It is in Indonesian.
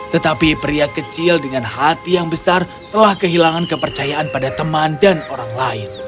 tetapi pria kecil dengan hati yang besar telah kehilangan kepercayaan pada teman dan orang lain